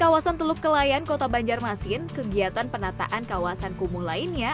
kawasan teluk kelayan kota banjarmasin kegiatan penataan kawasan kumuh lainnya